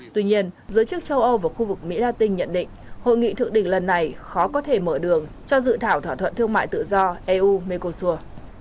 tuy nhiên giới chức châu âu và khu vực mỹ la tinh nhận định hội nghị thượng đỉnh lần này khó có thể mở đường cho dự thảo thỏa thuận thương mại tự do eu mekosur